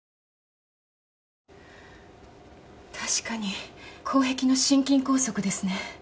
確かに後壁の心筋梗塞ですね。